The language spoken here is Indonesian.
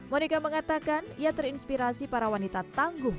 monika mengatakan ia terinspirasi para wanita tangguh